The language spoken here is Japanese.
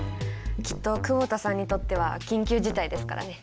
きっと久保田さんにとっては緊急事態ですからね。